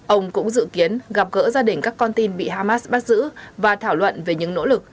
ông cũng dự kiến gặp gỡ gia đình các con tin bị hamas bắt giữ và thảo luận về những nỗ lực